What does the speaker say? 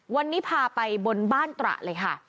วันนี้พาไปบนบ้านตระเลยค่ะ